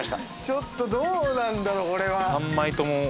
ちょっとどうなんだろう